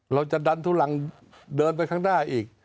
เราจะดันทุลังเดินไปข้างหน้าอีก